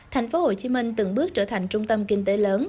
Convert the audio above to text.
thành phố hồ chí minh từng bước trở thành trung tâm kinh tế lớn